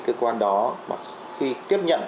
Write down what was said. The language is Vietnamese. cơ quan đó mà khi tiếp nhận